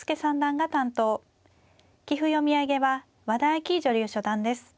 棋譜読み上げは和田あき女流初段です。